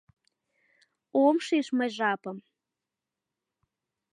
Ом шиж мый жапым.